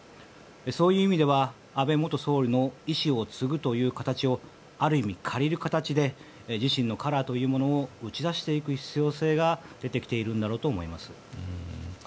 そういう意味では安倍元総理の遺志を継ぐという形をある意味、借りる形で自身のカラーというものを打ち出していく必要性が出てきているんだろうと思います。